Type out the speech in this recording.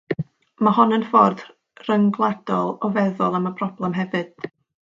Mae hon yn ffordd ryngwladol o feddwl am y broblem hefyd.